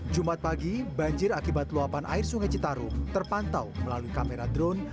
jumat pagi banjir akibat luapan air sungai citarum terpantau melalui kamera drone